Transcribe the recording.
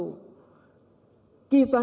kita memang harus tahan uji